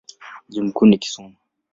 Mji mkuu ni Kisumu.